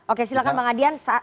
oke silahkan bang adian